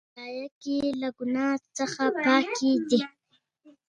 بخاري د ژمي موسم لپاره ضروري وسیله ده.